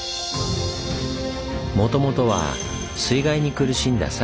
もともとは水害に苦しんだ佐賀の町。